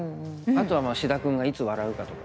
あとは志田君がいつ笑うかとか。